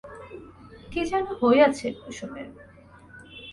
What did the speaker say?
কী যেন হইয়াছে কুসুমের।